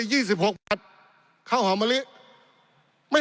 ปี๑เกณฑ์ทหารแสน๒